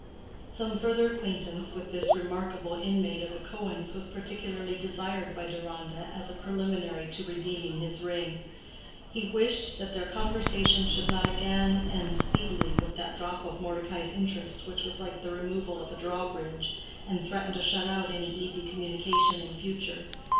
Some further acquaintance with this remarkable inmate of the Cohens was particularly desired by Deronda as a preliminary to redeeming his ring: he wished that their conversation should not again end speedily with that drop of Mordecai's interest which was like the removal of a drawbridge, and threatened to shut out any easy communication in future.